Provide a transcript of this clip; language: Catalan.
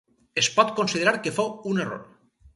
Es pot considerar que fou un error.